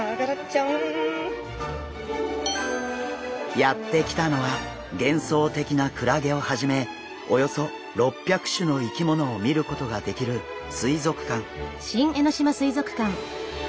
やって来たのは幻想的なクラゲをはじめおよそ６００種の生き物を見ることができる水族館。